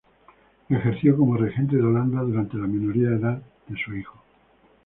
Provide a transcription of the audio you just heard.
Ejerció como regente de Holanda durante la minoría de edad de su hijo.